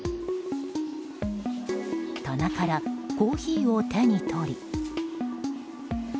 棚からコーヒーを手に取り。